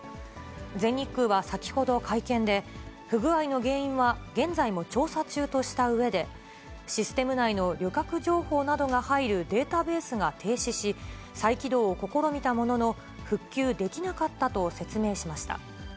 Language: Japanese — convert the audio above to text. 全日空は先ほど会見で、不具合の原因は現在も調査中としたうえで、システム内の旅客情報などが入るデータベースが停止し、再起動を試みたものの、復旧できなかったと説明しました。